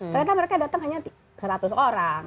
ternyata mereka datang hanya seratus orang